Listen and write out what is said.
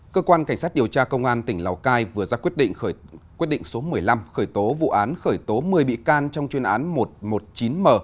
cơ quan cảnh sát điều tra công an tỉnh lào cai vừa ra quyết định số một mươi năm khởi tố vụ án khởi tố một mươi bị can trong chuyên án một trăm một mươi chín m